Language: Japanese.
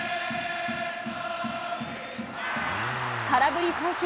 空振り三振。